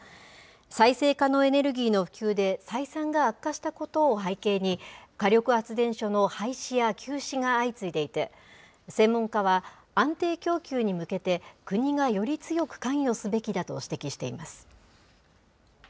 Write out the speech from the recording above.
再生可能エネルギーの普及で採算が悪化したことを背景に、火力発電所の廃止や休止が相次いでいて、専門家は、安定供給に向けて、国がより強く関与すべきだと指摘しています。